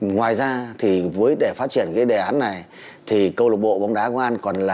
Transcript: ngoài ra thì với để phát triển cái đề án này thì câu lạc bộ bóng đá công an còn là